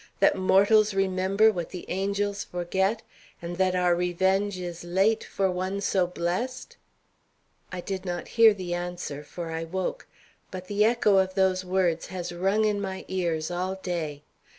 That mortals remember what the angels forget, and that our revenge is late for one so blessed?" I did not hear the answer, for I woke; but the echo of those words has rung in my ears all day.